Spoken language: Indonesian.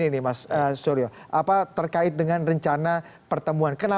dan sejak awal sepertinya